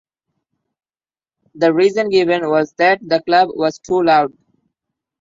The reason given was that the club was too loud.